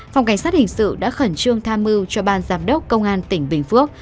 phòng cảnh sát hình sự đã khẩn trương tham mưu cho ban giám đốc công an tỉnh bình phước